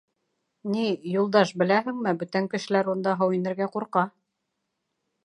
— Ни, Юлдаш, беләһеңме, бүтән кешеләр унда һыу инергә ҡурҡа.